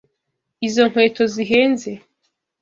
Izi nkweto zihenze.